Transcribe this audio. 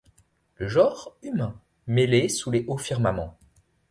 Le genre humain, mêlé sous les hauts firmaments